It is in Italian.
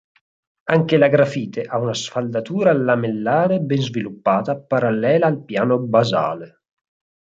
Anche la grafite ha una sfaldatura lamellare ben sviluppata parallela al piano basale.